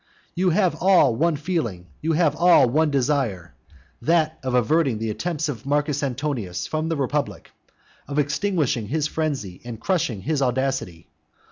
You have all one feeling, you have all one desire, that of averting the attempts of Marcus Antonius from the republic, of extinguishing his frenzy and crushing his audacity.